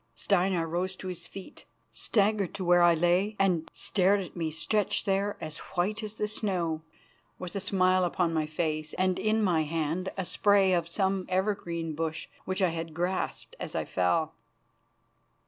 Steinar rose to his feet, staggered to where I lay, and stared at me stretched there as white as the snow, with a smile upon my face and in my hand a spray of some evergreen bush which I had grasped as I fell.